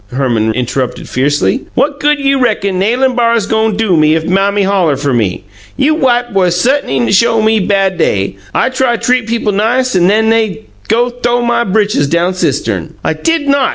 Herman interrupted fiercely. "What good you reckon nailin' bars go' do me if Mammy holler fer me? You white boys sutn'y show me bad day! I try treat people nice, 'n'en they go th'ow my britches down cistern! "I did not!"